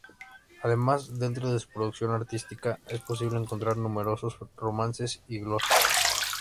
Además, dentro de su producción artística es posible encontrar numerosos romances y glosas.